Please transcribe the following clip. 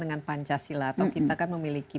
dengan pancasila atau kita kan memiliki